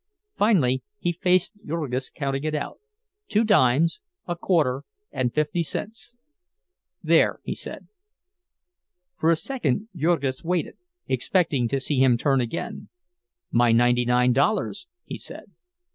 Finally, he faced Jurgis, counting it out—two dimes, a quarter, and fifty cents. "There," he said. For a second Jurgis waited, expecting to see him turn again. "My ninety nine dollars," he said.